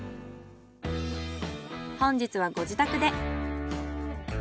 本日はご自宅で。